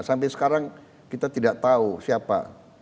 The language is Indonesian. sampai sekarang kita tidak tahu siapa